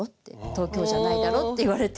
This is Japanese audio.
東京じゃないだろって言われて。